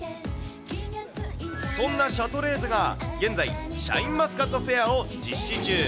そんなシャトレーゼが現在、シャインマスカットフェアを実施中。